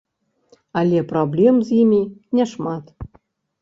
Але праблем з імі няшмат.